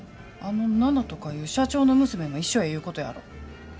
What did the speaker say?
あの奈々とかいう社長の娘も一緒やいうことやろ？